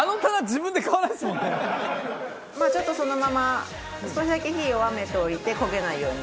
まあちょっとそのまま少しだけ火弱めておいて焦げないように。